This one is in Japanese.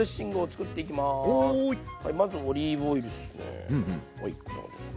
まずオリーブオイルですね。